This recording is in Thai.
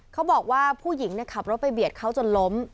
เขาบอกว่าผู้หญิงขับรถไปเบียดเขาจนล้ม